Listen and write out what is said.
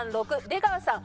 ６出川さん